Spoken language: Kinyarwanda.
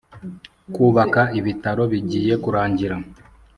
kubaka ibitaro bigiye kurangira.